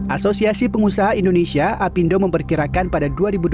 asosiasi pengusaha indonesia apindo memperkirakan pada dua ribu dua puluh